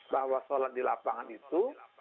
bahwa sholat di lapangan itu